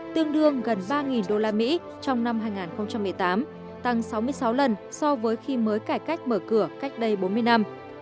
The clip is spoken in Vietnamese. trong năm hai nghìn một mươi tám tăng sáu mươi sáu lần so với khi mới cải cách mở cửa cách đây bốn mươi năm